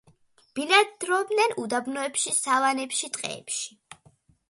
ბინადრობენ უდაბნოებში, სავანებში ტყეებში.